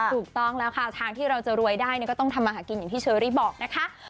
ถูกต้องแล้วค่ะทางที่เราจะรวยได้ก็ต้องทำมาหากินอย่างที่เชอรี่บอกนะคะ